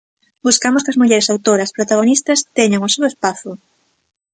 Buscamos que as mulleres autoras, protagonistas, teñan o seu espazo.